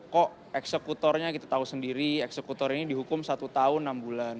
kok eksekutornya kita tahu sendiri eksekutor ini dihukum satu tahun enam bulan